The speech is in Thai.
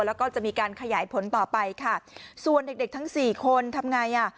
แล้วก็จะมีการขยายผลต่อไปค่ะส่วนเด็กเด็กทั้งสี่คนทำไงอ่ะ